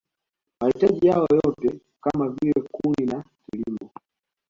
Mahitaji yao yote kama vile kuni na kilimo